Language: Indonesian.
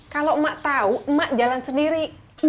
kalo emak tau emak jalan sendiri